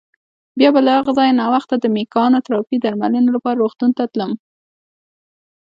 بیا به له هغه ځایه ناوخته د مېکانوتراپۍ درملنې لپاره روغتون ته تلم.